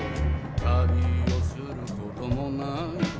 「旅をすることもない」